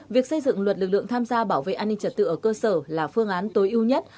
việc xây dựng luật lực lượng tham gia bảo vệ an ninh trật tự ở cơ sở là phương án tối ưu nhất